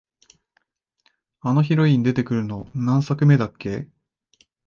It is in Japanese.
あのヒロイン出てくるの、何作目だっけ？